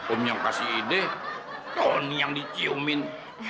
om yang kasih ide tony yang diciumin